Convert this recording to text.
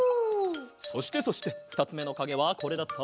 そしてそしてふたつめのかげはこれだった。